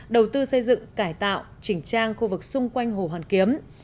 đầu tư xây dựng cải tạo chỉnh trang khu vực xung quanh hồ hoàn kiếm